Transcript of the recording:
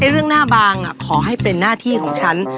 เรื่องหน้าบางขอให้เป็นหน้าที่ของฉัน